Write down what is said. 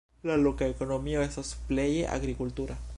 La loka ekonomio estas pleje agrikultura.